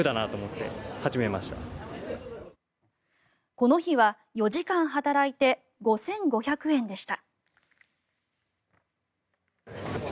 この日は４時間働いて５５００円でした。